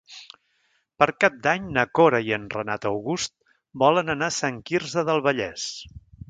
Per Cap d'Any na Cora i en Renat August volen anar a Sant Quirze del Vallès.